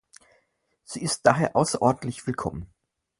Sie ist daher außerordentlich willkommen.